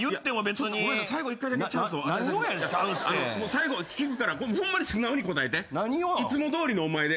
最後聞くからホンマに素直に答えて。いつもどおりのお前で。